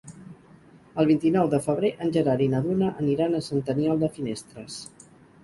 El vint-i-nou de febrer en Gerard i na Duna aniran a Sant Aniol de Finestres.